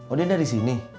oh dia dari sini